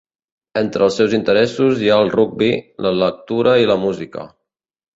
Entre els seus interessos hi ha el rugbi, la lectura i la música.